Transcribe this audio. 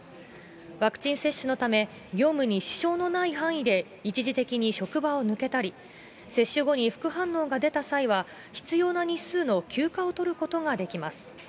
ワクチン接種のため、業務に支障のない範囲で、一時的に職場を抜けたり、接種後に副反応が出た際には必要な日数の休暇を取ることができます。